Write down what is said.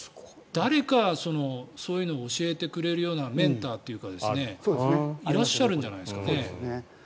誰かそういうのを教えてくれるようなメンターというかいらっしゃるんじゃないんですかね。